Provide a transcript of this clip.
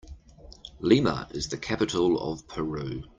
Lima is the capital of Peru.